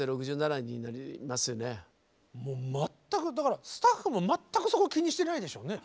もうもう全くだからスタッフも全くそこ気にしてないでしょうね。